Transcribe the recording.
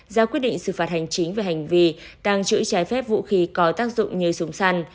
ra quyết định xử phạt hành chính về hành vi tàng trữ trái phép vũ khí có tác dụng như súng săn